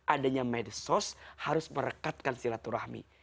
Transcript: adanya medsos harus merekatkan silaturahmi